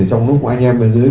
trong lúc của anh em bên dưới